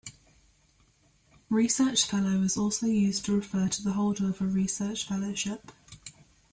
Research fellow is also used to refer to the holder of a research fellowship.